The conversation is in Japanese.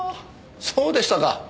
そうでしたか。